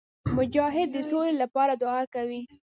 مجاهد د سولي لپاره دعا کوي.